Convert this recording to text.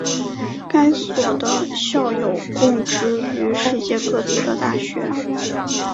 该所的校友供职于世界各地的大学。